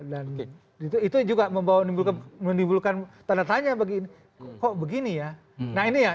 dan itu juga menimbulkan tanda tanya bagi kok begini ya